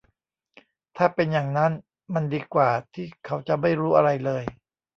ถ้าเป็นอย่างนั้น มันดีกว่าที่เขาจะไม่รู้อะไรเลย